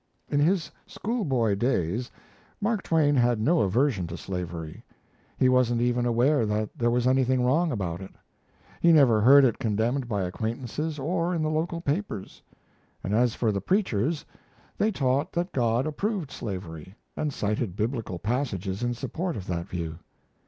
In his schoolboy days, Mark Twain had no aversion to slavery. He wasn't even aware that there was anything wrong about it. He never heard it condemned by acquaintances or in the local papers. And as for the preachers, they taught that God approved slavery, and cited Biblical passages in support of that view.